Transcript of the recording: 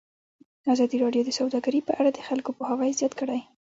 ازادي راډیو د سوداګري په اړه د خلکو پوهاوی زیات کړی.